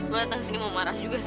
lo datang sini mau marah juga sama gue